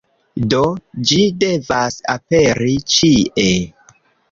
Do, ĝi devas aperi ĉie